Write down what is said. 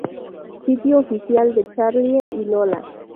Sitio oficial de Charlie y Lola